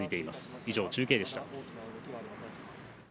以上、中継でした。